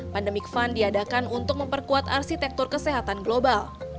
pandemic fund diadakan untuk memperkuat arsitektur kesehatan global